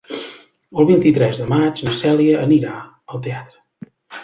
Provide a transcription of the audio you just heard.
El vint-i-tres de maig na Cèlia anirà al teatre.